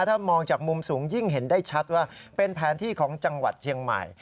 ถ้ามองจากมุมสูงยิ่งเห็นได้ชัดว่าเป็นแผนที่ของจังหวัดเชียงใหม่